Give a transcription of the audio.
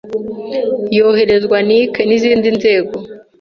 yohererezwa NIC n’izindi nzego.